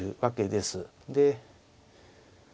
で。